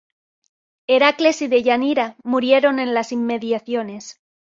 Heracles y Deyanira murieron en las inmediaciones.